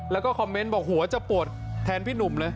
แล้วก็คอมเมนต์บอกหัวจะปวดแทนพี่หนุ่มเลย